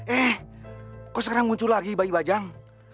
eh kok sekarang muncul lagi bayi bajang